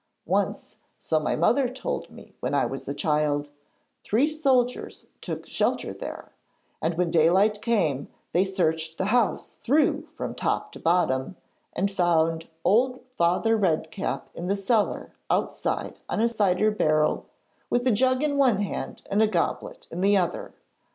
Once so my mother told me when I was a child three soldiers took shelter there, and when daylight came they searched the house through from top to bottom and found old Father Red Cap in the cellar outside on a cider barrel, with a jug in one hand and a goblet in the other.